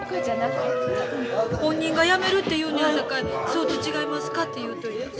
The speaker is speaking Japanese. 本人がやめるて言うのやさかいそうと違いますかて言うといた。